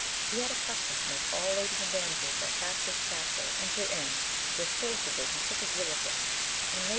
He had a custom to make all ladies and damsels that passed his castle enter in, where forcibly he took his will of them, and made